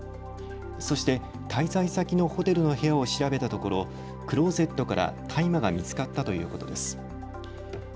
そして滞在先のホテルの部屋を調べたところクローゼットから大麻が見つかったということです。